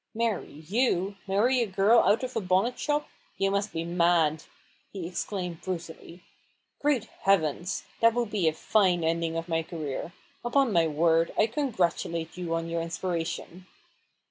u Marry you ? Marry a girl out of a bonnet shop ? You must be mad !" he exclaimed HUGO RAVEN S HAND. 153 brutally. " Great heavens ! that would be a fine ending of my career. Upon my word, I congratulate you on your inspiration